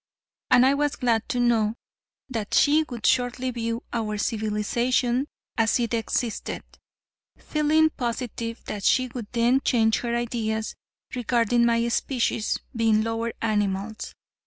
And I was glad to know that she would shortly view our civilization as it existed, feeling positive that she would then change her ideas regarding my species being lower animals.